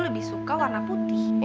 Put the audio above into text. lebih suka warna putih